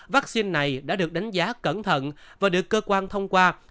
vaccine này đã được đánh giá cẩn thận và được cơ quan thông qua